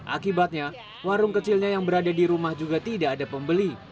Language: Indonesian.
akibatnya warung kecilnya yang berada di rumah juga tidak ada pembeli